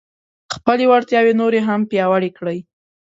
خپلې وړتیاوې نورې هم پیاوړې کړئ.